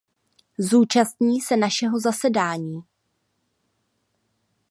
Zúčastní se našeho zasedání.